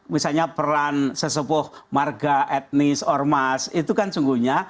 misalnya peran sesepuh marga etnis ormas itu kan sungguhnya